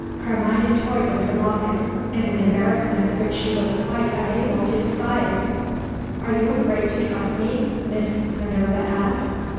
Carmina toyed with her locket, in an embarrassment which she was quite unable to disguise. "Are you afraid to trust me?" Miss Minerva asked.